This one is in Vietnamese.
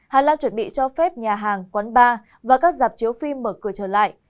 hà lan chuẩn bị cho phép nhà hàng quán bar và các dạp chiếu phim mở cửa trở lại